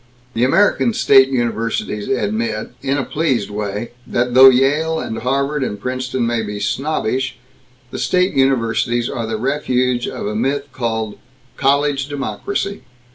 The American state universities admit, in a pleased way, that though Yale and Harvard and Princeton may be snobbish, the state universities are the refuge of a myth called "college democracy."